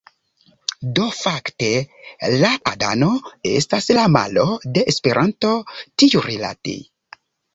Do fakte, Láadano estas la malo de Esperanto tiurilate